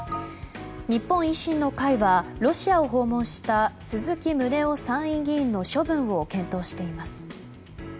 日本維新の会はロシアを訪問した鈴木宗男参議院議員の処分を検討しています。